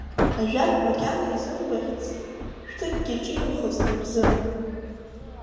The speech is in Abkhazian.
Ажәак макьана изымгәаӷьцт, шәҭыцкгьы ҿимхыцт ба бзы.